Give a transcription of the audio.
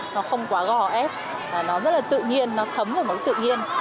nó không quá gò ép nó rất là tự nhiên nó thấm vào mức tự nhiên